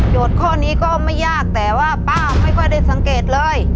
ข้อนี้ก็ไม่ยากแต่ว่าป้าไม่ค่อยได้สังเกตเลย